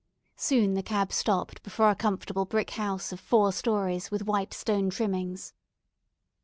Soon the cab stopped before a comfortable brick house of four stories with white stone trimmings.